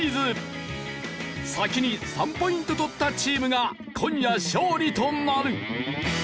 先に３ポイント取ったチームが今夜勝利となる。